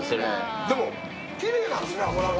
でも、きれいなんですね、脂が。